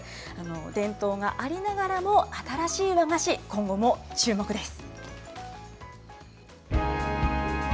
伝統がありながらも、新しい和菓子、今後もチューモク！です。